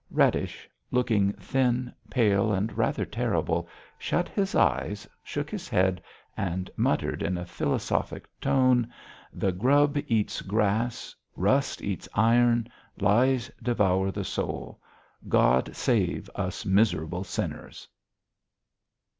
Radish, looking thin, pale, and rather terrible, shut his eyes, shook his head, and muttered in a philosophic tone: "The grub eats grass, rust eats iron, lies devour the soul. God save us miserable sinners!"